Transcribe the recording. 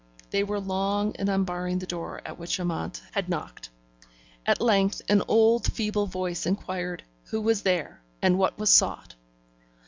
They were long in unbarring the door at which Amante had knocked: at length, an old feeble voice inquired who was there, and what was sought?